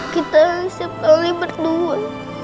kita setelah berdua